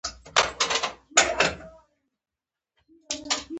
خور د خویندو منځ کې یووالی ساتي.